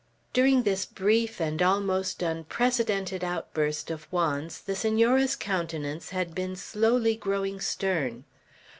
During this brief and almost unprecedented outburst of Juan's the Senora's countenance had been slowly growing stern.